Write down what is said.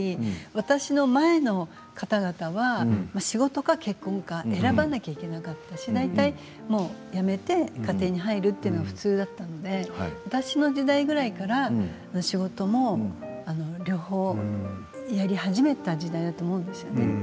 私の前の方々は仕事か結婚か選ばなければいけなかったし大体、仕事を辞めて家庭に入るのが普通だったので私の時代ぐらいから両方をやり始めた時代だと思うんですね。